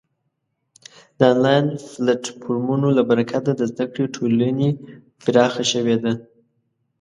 د آنلاین پلتفورمونو له برکته د زده کړې ټولنې پراخه شوې ده.